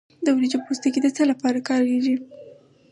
د وریجو پوستکی د څه لپاره کاریږي؟